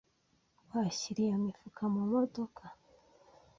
Washyira iyo mifuka mumodoka?